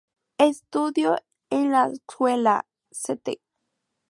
Estudió en la escuela St.